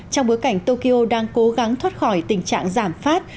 trong bối cảnh tokyo đang cố gắng thoát khỏi tình trạng giảm phát